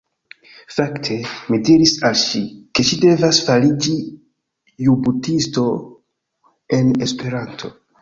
Fakte, mi diris al ŝi, ke ŝi devas fariĝi jutubisto en Esperanto